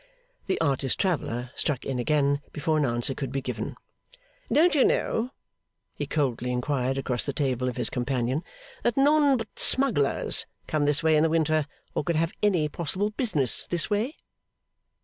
The artist traveller struck in again before an answer could be given. 'Don't you know,' he coldly inquired across the table of his companion, 'that none but smugglers come this way in the winter or can have any possible business this way?